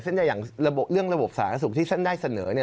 เส้นได้อย่างเรื่องระบบสารสุขที่เส้นได้เสนอเนี่ย